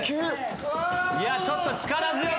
いやちょっと力強くない！？